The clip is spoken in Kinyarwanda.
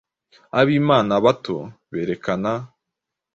Abimana bato berekana